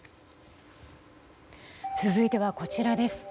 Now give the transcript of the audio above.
続いてはこちらです。